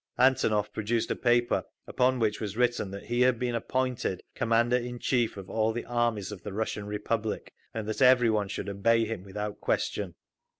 Antonov produced a paper upon which was written that he had been appointed Commander in Chief of all the armies of the Russian Republic, and that every one should obey him without question.